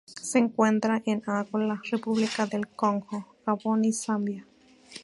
Se encuentra en Angola, República del Congo, Gabón y Zambia.